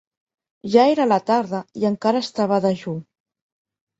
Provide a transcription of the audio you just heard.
Ja era la tarda i encara estava dejú.